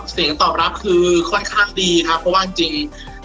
เสียงตอบรับคือค่อนข้างดีครับเพราะว่าจริง